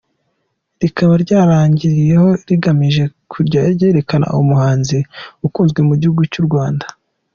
Rikaba ryaragiyeho rigamije kujya ryerekana umuhanzi ukunzwe mu gihugu cy’u Rwanda.